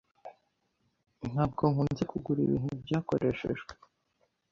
Ntabwo nkunze kugura ibintu byakoreshejwe.